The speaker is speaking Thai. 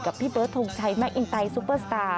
พี่เบิร์ดทงชัยแมคอินไตซุปเปอร์สตาร์